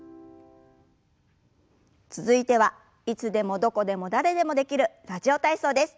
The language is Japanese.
続いてはいつでもどこでも誰でもできる「ラジオ体操」です。